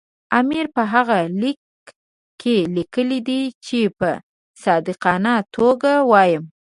امیر په هغه لیک کې لیکلي دي چې په صادقانه توګه وایم.